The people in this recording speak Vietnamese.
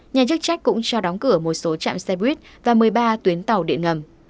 nhà chức trách cũng cho đóng cửa một số chạm xe buýt và một mươi ba tuyến tàu điện ngầm